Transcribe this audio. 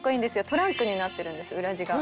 トランクになってるんです裏地が。